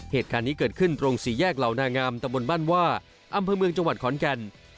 เหตุการณ์นี้เกิดขึ้นตรงสี่แยกเหล่านางามตะบนบ้านว่าอำเภอเมืองจังหวัดขอนแก่น